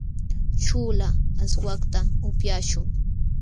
śhuula aswakta upyaśhun.